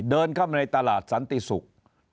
เดินเข้าไปในตลาดสันติสุข